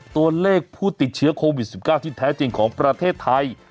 ตัวเลขผู้ติดเชื้อโควิด๑๙ที่แท้จริงของประเทศไทย